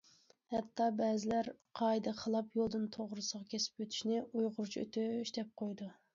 ھەتتا بەزىلەر قائىدىگە خىلاپ يولدىن توغرىسىغا كېسىپ ئۆتۈشنى« ئۇيغۇرچە ئۆتۈش» دەپ قويىدۇ.